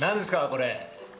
これ。